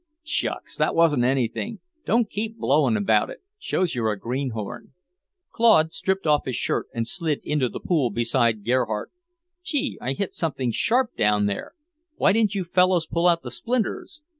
"Shucks, that wasn't anything. Don't keep blowing about it shows you're a greenhorn." Claude stripped off his shirt and slid into the pool beside Gerhardt. "Gee, I hit something sharp down there! Why didn't you fellows pull out the splinters?"